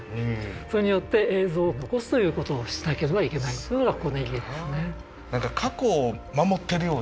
それによって映像を残すということをしなければいけないというのがここの意義ですね。